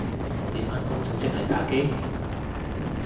你返工正職係打機？